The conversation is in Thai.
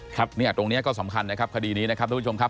ครับเนี่ยตรงนี้ก็สำคัญนะครับคดีนี้นะครับทุกผู้ชมครับ